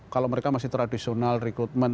kalau mereka masih tradisional rekrutmen